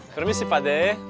permisi pak de